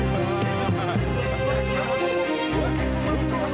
kamu juga capek kan